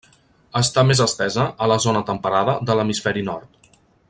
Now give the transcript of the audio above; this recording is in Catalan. Està més estesa a la zona temperada de l'hemisferi nord.